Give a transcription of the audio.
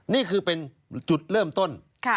นี่คือเป็นจุดเริ่มต้น